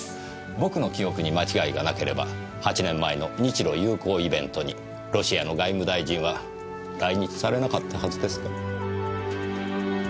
僕の記憶に間違いがなければ８年前の日露友好イベントにロシアの外務大臣は来日されなかったはずですが。